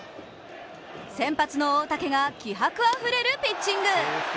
先発の大竹が気迫あふれるピッチング。